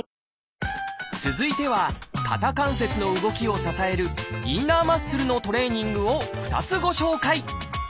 続いては肩関節の動きを支えるインナーマッスルのトレーニングを２つご紹介